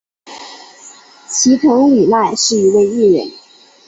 齐藤里奈是一位艺人。